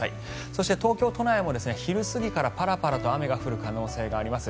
そして東京都内も昼過ぎからパラパラと雨が降る可能性があります。